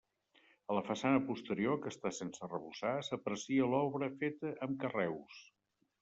A la façana posterior, que està sense arrebossar, s'aprecia l'obra feta amb carreus.